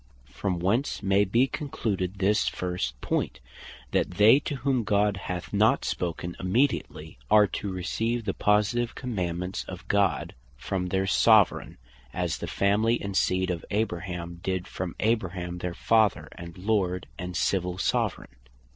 From whence may be concluded this first point, that they to whom God hath not spoken immediately, are to receive the positive commandements of God, from their Soveraign; as the family and seed of Abraham did from Abraham their Father, and Lord, and Civill Soveraign.